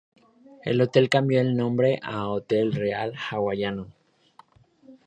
El hotel cambió el nombre a "Hotel Real Hawaiano".